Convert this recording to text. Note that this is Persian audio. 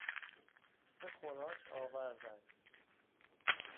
سه خوراک آوردند